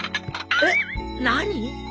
えっ何！？